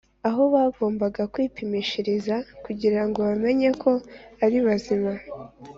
aho bagombaga kwipimishiriza kugirango bamenye ko ari bazima